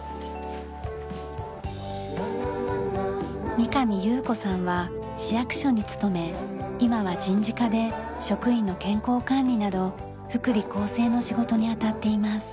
三上友子さんは市役所に勤め今は人事課で職員の健康管理など福利厚生の仕事に当たっています。